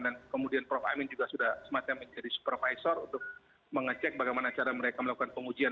dan kemudian prof amin juga sudah semakin menjadi supervisor untuk mengecek bagaimana cara mereka melakukan pengujian